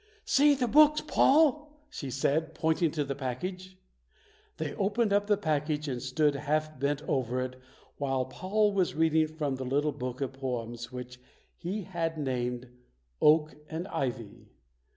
"See the books, Paul!" she said, pointing to the package. They opened up the package and stood half bent over it while Paul was reading from the little book of poems which he had named "Oak and Ivy".